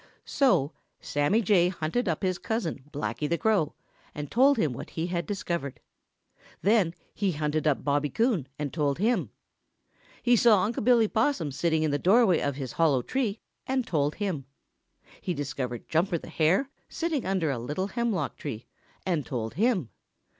So Sammy Jay hunted up his cousin, Blacky the Crow, and told him what he had discovered. Then he hunted up Bobby Coon and told him. He saw Unc' Billy Possum sitting in the doorway of his hollow tree and told him. He discovered Jumper the Hare sitting under a little hemlock tree and told him.